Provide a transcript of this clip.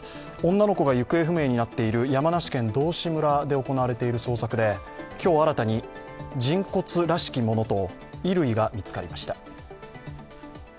女の子が行方不明になっている山梨県道志村で行われている捜索で今日新たに人骨らしきものと衣類が見つかりました。